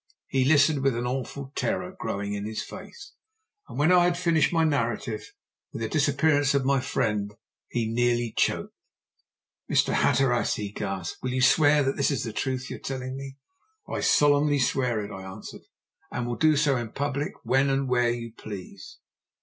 He listened, with an awful terror growing in his face, and when I had finished my narrative with the disappearance of my friend he nearly choked. "Mr. Hatteras," he gasped, "will you swear this is the truth you are telling me?" "I solemnly swear it," I answered. "And will do so in public when and where you please."